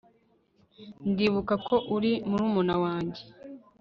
Ndibuka ko uri murumuna wanjye